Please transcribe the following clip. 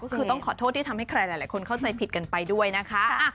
ก็คือต้องขอโทษที่ทำให้ใครหลายคนเข้าใจผิดกันไปด้วยนะคะ